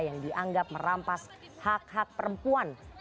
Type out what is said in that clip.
yang dianggap merampas hak hak perempuan di indonesia